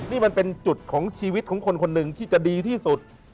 นี่มันเป็นจุดของชีวิตของคนคนหนึ่งที่จะดีที่สุด